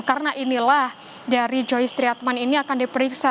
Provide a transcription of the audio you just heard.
karena inilah dari joyce triatman ini akan diperiksa